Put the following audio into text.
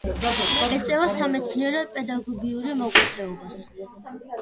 ეწევა სამეცნიერო-პედაგოგიურ მოღვაწეობას.